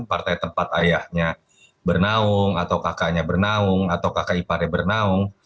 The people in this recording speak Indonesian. partai tempat ayahnya bernaung atau kakaknya bernaung atau kakak iparnya bernaung